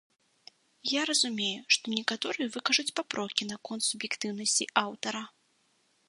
Я разумею, што некаторыя выкажуць папрокі наконт суб'ектыўнасці аўтара.